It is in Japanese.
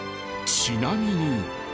ちなみに。